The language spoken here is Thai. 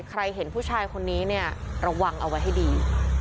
เห็นผู้ชายคนนี้เนี่ยระวังเอาไว้ให้ดี